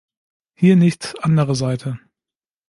Hier nicht, andere Seite.